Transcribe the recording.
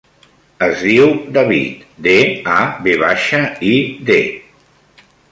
Es diu David: de, a, ve baixa, i, de.